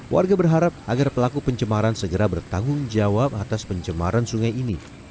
warga berharap agar pelaku pencemaran segera bertanggung jawab atas pencemaran sungai ini